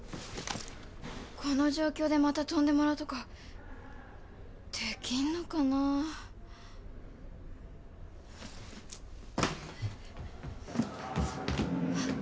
この状況でまた跳んでもらうとかできんのかなあ。